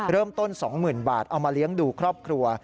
เริ่มต้น๒๐๐๐บาทเอามาเลี้ยงดูครอบครัว